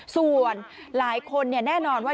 ส่วนหลายคนแน่นอนว่า